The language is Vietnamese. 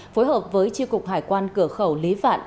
phối hợp với tri cục hải quan cửa khẩu lý vạn